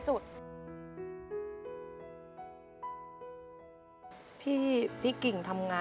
คุณหมอบอกว่าเอาไปพักฟื้นที่บ้านได้แล้ว